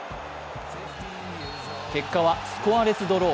結果はスコアレスドロー。